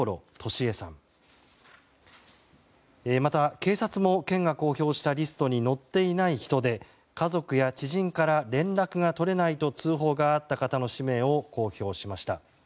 警察も県が公表したリストに載っていない人で家族や知人から連絡が取れないと通報があった方の氏名を公表しました。